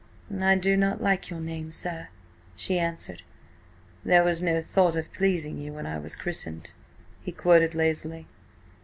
"I do not like your name, sir," she answered. "'There was no thought of pleasing you when I was christened.'" he quoted lazily.